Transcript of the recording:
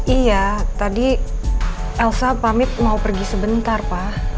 iya tadi elsa pamit mau pergi sebentar pak